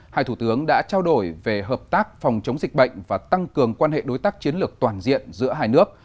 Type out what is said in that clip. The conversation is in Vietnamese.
hai thủ tướng đã trao đổi về hợp tác phòng chống dịch bệnh và tăng cường quan hệ đối tác chiến lược toàn diện giữa hai nước